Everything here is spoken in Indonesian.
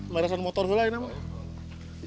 merasan motor gue lah ini